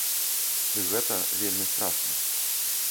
І гэта вельмі страшна.